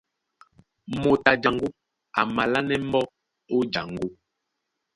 Moto a jaŋgó a malánɛ́ mbɔ́ ó jaŋgó.